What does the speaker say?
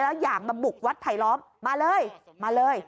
แล้วอยากมาบุกวัดไผลล้อมมาเลยมาเลย